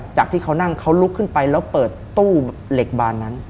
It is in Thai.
จากที่เขานั่งเขาลุกขึ้นไปแล้วเปิดตู้เหล็กบานนั้น